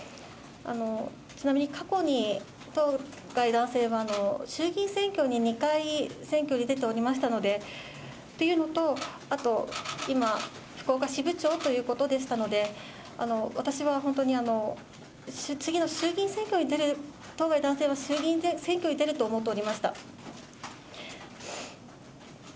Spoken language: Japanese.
ちなみに過去に当該男性は衆議院選挙に２回、選挙に出ておりましたので、というのと、あと今、福岡支部長ということでしたので、私は本当に、次の衆議院選挙に出る、当該男性は衆議院選挙に出ると思っておりました。